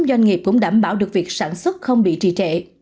doanh nghiệp cũng đảm bảo được việc sản xuất không bị trì trệ